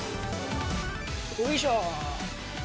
よいしょ。